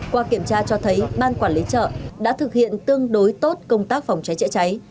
qua kiểm tra cho thấy ban quản lý chợ đã thực hiện tương đối tốt công tác phòng cháy chữa cháy